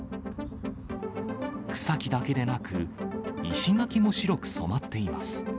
草木だけでなく、石垣も白く染まっています。